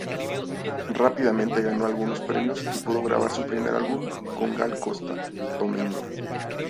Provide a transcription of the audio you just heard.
Rápidamente ganó algunos premios y pudo grabar su primer álbum con Gal Costa: "Domingo".